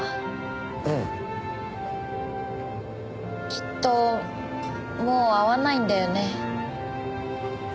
きっともう会わないんだよね？